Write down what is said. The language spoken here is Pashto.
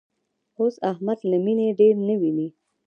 اوس احمد له مینې ډېر نه ویني.